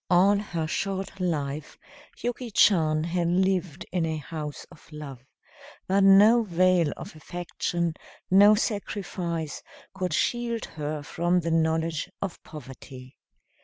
All her short life Yuki Chan had lived in a house of love, but no veil of affection, no sacrifice, could shield her from the knowledge of poverty.